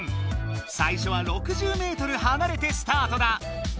最初は６０ｍはなれてスタートだ！